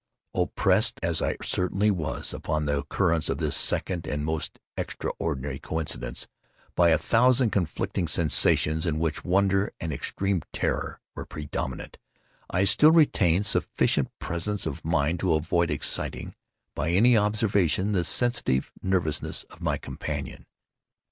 Oppressed, as I certainly was, upon the occurrence of this second and most extraordinary coincidence, by a thousand conflicting sensations, in which wonder and extreme terror were predominant, I still retained sufficient presence of mind to avoid exciting, by any observation, the sensitive nervousness of my companion.